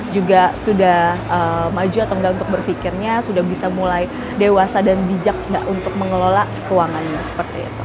juga sudah maju atau enggak untuk berpikirnya sudah bisa mulai dewasa dan bijak nggak untuk mengelola keuangannya seperti itu